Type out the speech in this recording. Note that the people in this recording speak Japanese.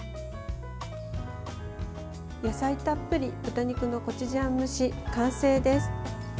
野菜たっぷり豚肉のコチュジャン蒸し完成です。